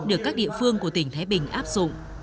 được các địa phương của tỉnh thái bình áp dụng